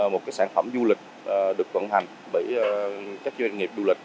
một cái sản phẩm du lịch được cộng hành bởi các doanh nghiệp du lịch